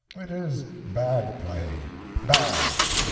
It is bad play — bad.